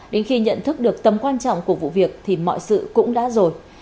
đến khi nhận thức được tầm quan trọng của vụ việc thì mọi sự cũng đã rồi